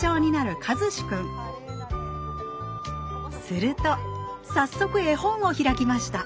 すると早速絵本を開きました